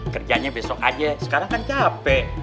kerjanya besok aja sekarang kan capek